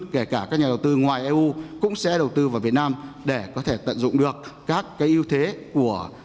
kể cả các nhà đầu tư ngoài eu cũng sẽ đầu tư vào việt nam để có thể tận dụng được các cái ưu thế của